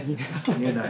言えない。